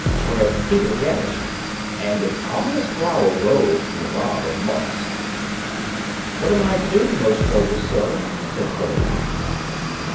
Whereat Peter vanished, and an ominous growl rose from the mob of monks. 'What am I to do, most noble sir?' said Philammon.